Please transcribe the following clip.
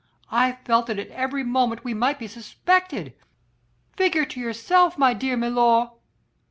I felt that at every moment we might be suspected. Figure to yourself, my dear milor...."